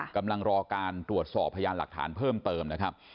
กำลังรอการตรวจสอบพยานหลักฐานเพิ่มเติมนะครับ